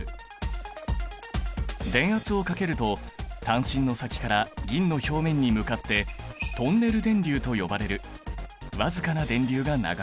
電圧をかけると探針の先から銀の表面に向かってトンネル電流と呼ばれる僅かな電流が流れる。